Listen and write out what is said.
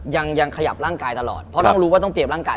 ยังยังขยับร่างกายตลอดเพราะต้องรู้ว่าต้องเตรียมร่างกาย